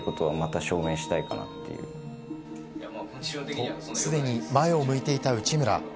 と、すでに前を向いていた内村。